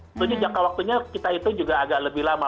tentunya jangka waktunya kita hitung juga agak lebih lama